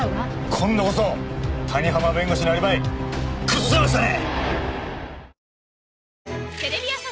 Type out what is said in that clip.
今度こそ谷浜弁護士のアリバイ崩せましたね！